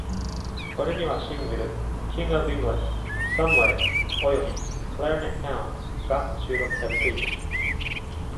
これには、シングル「King of England」、「Somewhere」および「Clarinet Town」が収録されている。